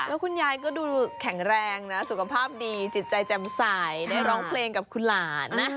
แล้วคุณยายก็ดูแข็งแรงนะสุขภาพดีจิตใจแจ่มใสได้ร้องเพลงกับคุณหลานนะ